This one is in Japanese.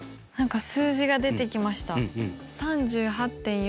何か数字が出てきました。